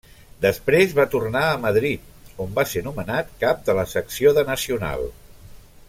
Després va tornar a Madrid, on va ser nomenat cap de la secció de Nacional.